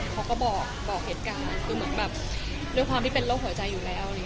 เขาก็บอกเหตุการณ์คือเหมือนแบบด้วยความที่เป็นโรคหัวใจอยู่แล้ว